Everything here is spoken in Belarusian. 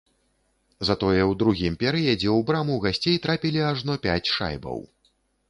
Затое ў другім перыядзе ў браму гасцей трапілі ажно пяць шайбаў.